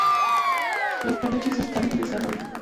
Los peluches están en desarrollo.